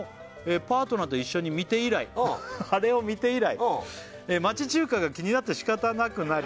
「パートナーと一緒に見て以来」あれを見て以来「町中華が気になってしかたなくなり」